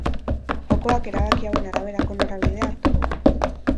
Jokoak, erabaki hauen araberako norabidea hartuko du.